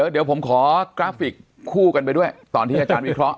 เดี๋ยวผมขอกราฟิกคู่กันไปด้วยตอนที่อาจารย์วิเคราะห